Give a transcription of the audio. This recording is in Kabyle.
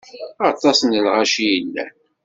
Aṭas n lɣaci i yellan.